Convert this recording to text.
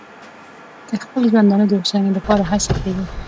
د خپل ژوندانه د هوساینې لپاره هڅې کوي.